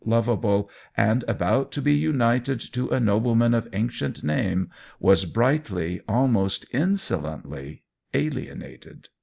8 THE WHEEL OF TIME leviable, and about to be united to a noble man of ancient name, was brightly, almost insolently alienated.